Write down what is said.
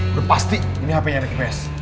berpasti ini hpnya anak anak ips